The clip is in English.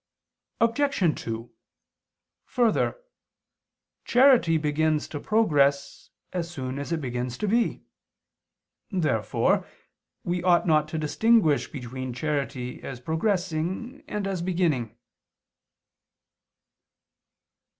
Obj. 2: Further, charity begins to progress as soon as it begins to be. Therefore we ought not to distinguish between charity as progressing and as beginning.